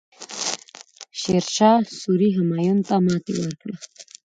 شیرشاه سوري همایون ته ماتې ورکړه.